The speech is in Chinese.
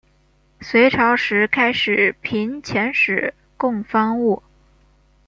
隋朝时开始频遣使贡方物。